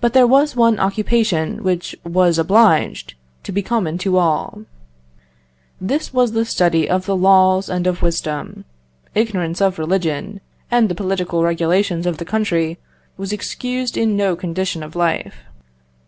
But there was one occupation which was obliged to be common to all, this was the study of the laws and of wisdom; ignorance of religion and the political regulations of the country was excused in no condition of life.